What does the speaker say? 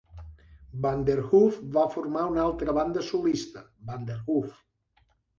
Vanderhoof va formar una altra banda solista, Vanderhoof.